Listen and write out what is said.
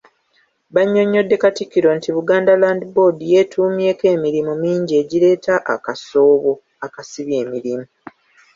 Bannyonnyodde Katikkiro nti Buganda Land Board yeetuumyeeko emirimu mingi egireeta akasoobo akasibye ensimbi.